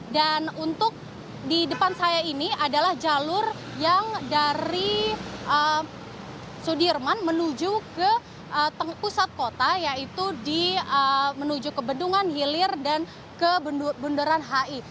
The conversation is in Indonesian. dan untuk di depan saya ini adalah jalur yang dari sudirman menuju ke pusat kota yaitu menuju ke bendungan hilir dan ke bunderan hi